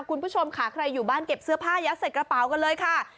คุณผู้ชมค่ะใครอยู่บ้านเก็บเสื้อผ้ายัดใส่กระเป๋ากันเลยค่ะ